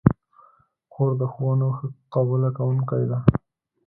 خور د ښوونو ښه قبوله کوونکې ده.